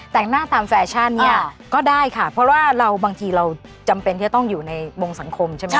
แต่งหน้าตามแฟชั่นเนี่ยก็ได้ค่ะเพราะว่าเราบางทีเราจำเป็นที่จะต้องอยู่ในวงสังคมใช่ไหมค